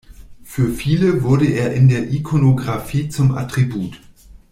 Für viele wurde er in der Ikonographie zum Attribut.